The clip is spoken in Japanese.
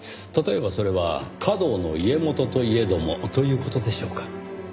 例えばそれは華道の家元といえどもという事でしょうか？